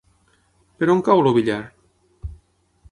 Per on cau el Villar?